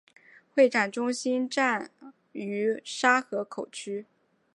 会展中心站位于沙河口区。